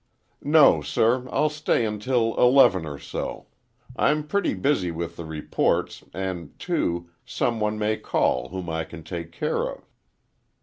"No, sir. I'll stay until eleven or so. I'm pretty busy with the reports, and, too, some one may call whom I can take care of."